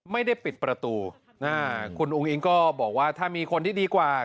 ไม่ได้ปิดประตูคุณอุ้งอิงก็บอกว่าถ้ามีคนที่ดีกว่า